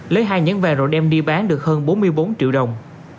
lấy hai nhấn vàng rồi đem đi bán được hơn bốn mươi bốn triệu đồng